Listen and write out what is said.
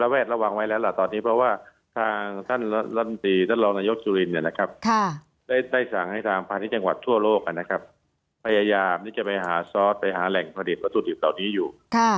เพราะว่าท่านรันตรีท่านรองนายกจุลินเนี่ยนะครับได้สั่งให้ทางภารกิจังหวัดทั่วโลกนะครับพยายามจะไปหาซอสไปหาแหล่งผลิตวัตถุดิบตอนนี้อยู่